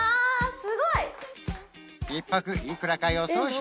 すごい！